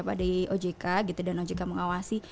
pada ojk gitu dan ojk mengawasi